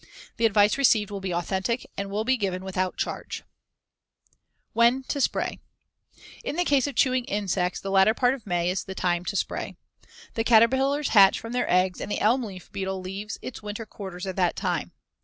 The advice received will be authentic and will be given without charge. [Illustration: FIG. 99. Egg masses of the Tussock Moth.] When to spray: In the case of chewing insects, the latter part of May is the time to spray. The caterpillars hatch from their eggs, and the elm leaf beetle leaves its winter quarters at that time.